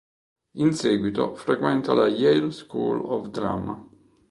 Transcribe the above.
In seguito frequenta la Yale School of Drama.